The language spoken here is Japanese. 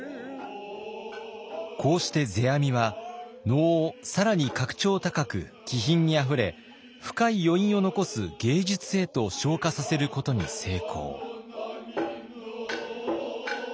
こうして世阿弥は能を更に格調高く気品にあふれ深い余韻を残す芸術へと昇華させることに成功。